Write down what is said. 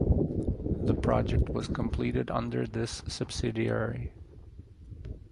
The project was completed under this subsidiary.